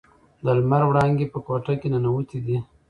د لمر وړانګې په کوټه کې ننووتې دي.